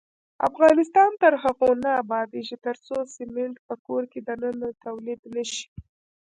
افغانستان تر هغو نه ابادیږي، ترڅو سمنټ په کور دننه تولید نشي.